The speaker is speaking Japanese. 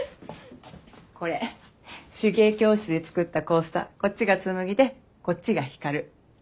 これ手芸教室で作ったコースターこっちが紬でこっちが光。